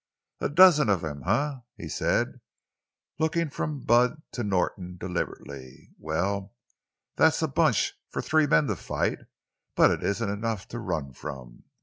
"A dozen of them, eh?" he said, looking from Bud to Norton deliberately. "Well, that's a bunch for three men to fight, but it isn't enough to run from.